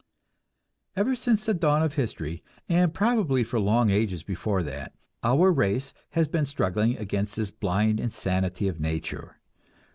Ever since the dawn of history, and probably for long ages before that, our race has been struggling against this blind insanity of nature.